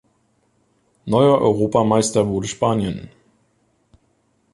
Neuer Europameister wurde Spanien.